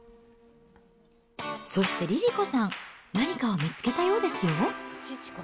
そしてＬｉＬｉＣｏさん、何かを見つけたようですよ。